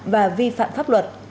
và vi phạm pháp luật